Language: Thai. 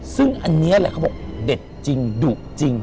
ซึ่งอันนี้แหละเขาบอกเด็ดจริงดุจริง